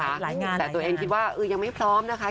หลายงานงานแต่ตัวเองคิดว่ายังไม่พร้อมนะคะ